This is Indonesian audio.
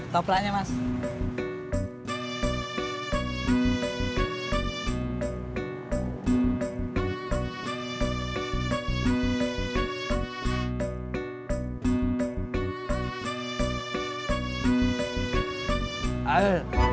top lah mas